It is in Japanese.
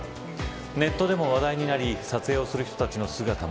ネットでも話題になり撮影をする人たちの姿も。